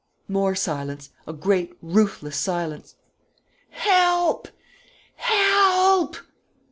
More silence a great, ruthless silence. "Help! Help!"